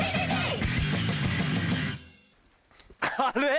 あれ？